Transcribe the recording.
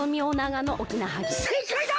せいかいだ！